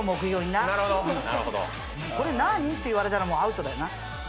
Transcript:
・なるほど・なるほどこれ何？って言われたらもうアウトだよな